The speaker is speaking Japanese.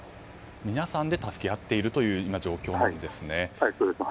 皆さんで助け合っている状況なんですね。